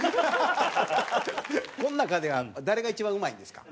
この中では誰が一番うまいんですか？